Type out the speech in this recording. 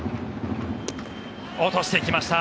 落としてきました。